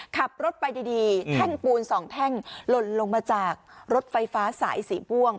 ขับรถไปดีแท่งปูนสองแท่งหล่นลงมาจากรถไฟฟ้าสายสีม่วง